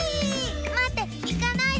まっていかないで。